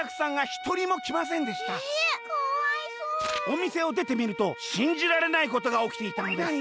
「おみせをでてみるとしんじられないことがおきていたのです」。